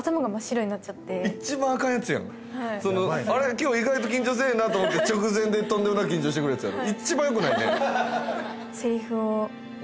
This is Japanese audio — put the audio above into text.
今日意外と緊張せえへんなと思って直前でとんでもなく緊張してくるやつやろ